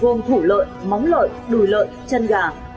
gồm thủ lợi móng lợi đùi lợi chân gà